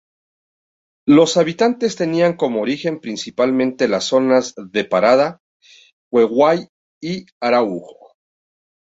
Los habitantes tenían como origen principalmente las zonas de Parada Queguay y Araújo.